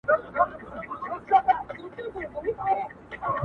اختر مو بې له چمتووالي